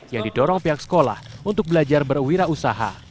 yang didorong pihak sekolah untuk belajar berwirausaha